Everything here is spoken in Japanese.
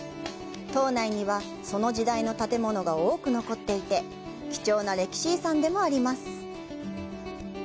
島内には、その時代の建物が多く残っていて貴重な歴史遺産でもあります。